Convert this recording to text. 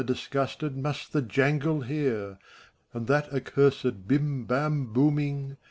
Disgusted, must the jangle hear; And that accursed bim bam booming.